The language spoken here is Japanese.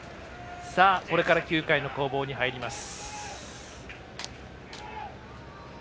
これから９回の攻防に入ります。